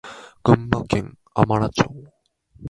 群馬県甘楽町